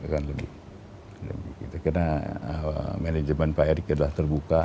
karena manajemen pak eri sudah terbuka